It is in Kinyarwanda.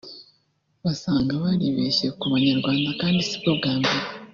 Basanga baribeshye ku banyarwanda kandi sibwo bwa mbere